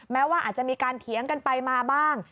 แม้ว่าอาจจะมีการเถียงกันไปมาบ้าง